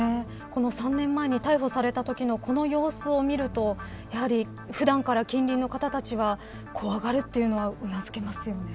この３年前に逮捕されたときのこの様子を見るとやはり普段から近隣の方たちは怖がるというのはうなずけますよね。